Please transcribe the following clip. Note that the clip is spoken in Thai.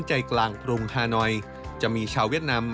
ใจกลางกรุงฮานอยจะมีชาวเวียดนาม